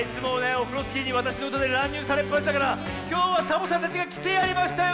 オフロスキーにわたしのうたでらんにゅうされっぱなしだからきょうはサボさんたちがきてやりましたよ！